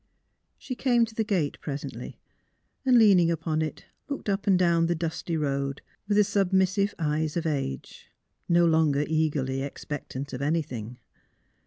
She came to the gate presently and, leaning upon it, looked up and down the dusty road with the submissive eyes of age, no longer eagerly ex pectant of anything.